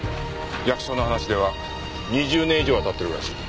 役所の話では２０年以上は経ってるらしい。